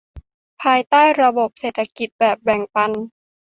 ภายใต้ระบบเศรษฐกิจแบบแบ่งปัน